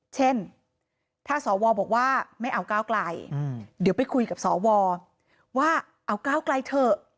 เช่นถ้าสวบอกว่าไม่เอาก้าวไกลเดี๋ยวไปคุยกับสวว่าเอาก้าวไกลเถอะ